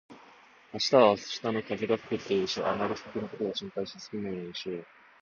「明日は明日の風が吹く」って言うし、あまり先のことを心配しすぎないようにしよう。